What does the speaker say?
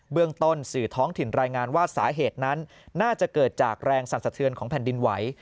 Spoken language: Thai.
เรื่องต้นสื่อท้องถิ่นรายงานว่าสาเหตุนั้นน่าจะเกิดจากแรงสั่นสะเทือนของแผ่นดินไหว